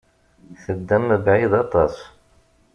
Teddam mebɛid aṭas.